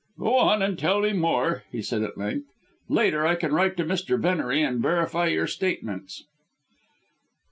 "Go on, and tell me more," he said at length; "later I can write to Mr. Venery and verify your statements."